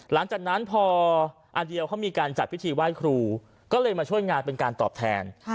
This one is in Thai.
หลังจากนั้นพออันเดียวเขามีการจัดพิธีไหว้ครูก็เลยมาช่วยงานเป็นการตอบแทน